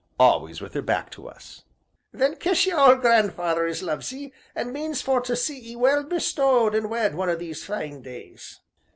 Always with her back to us. "Then kiss ye old grandfeyther as loves 'ee, an' means for to see 'ee well bestowed, an' wed, one o' these fine days!"